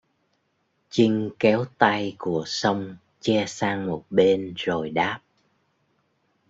Chinh kéo tay của song che sang một bên rồi đáp